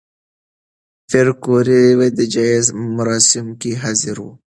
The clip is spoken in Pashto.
پېیر کوري د جایزې مراسمو کې حاضر و.